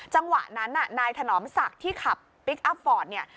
จังหวะนั้นน่ะนายถนอมศักดิ์ที่ขับพลิกอัพฟอร์ตเนี่ย